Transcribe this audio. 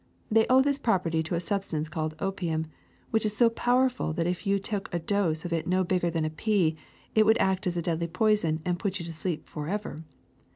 They owe this property to a substance called opium, which is so powerful that if you took a dose of it no bigger than a pea it would act as a deadly poison and put you to sleep forever.